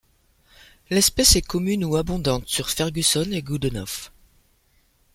L’espèce est commune ou abondante sur Fergusson et Goodenough.